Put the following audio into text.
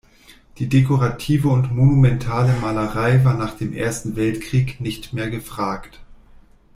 Die dekorative und monumentale Malerei war nach dem Ersten Weltkrieg nicht mehr gefragt.